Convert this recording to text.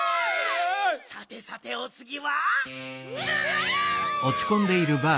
さてさておつぎは。